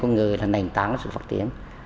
con người là nền tảng sự phát triển